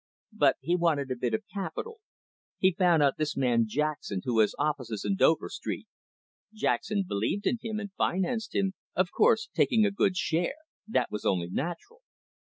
But he wanted a bit of capital. He found out this man Jackson, who has offices in Dover Street. Jackson believed in him, and financed him, of course taking a good share. That was only natural."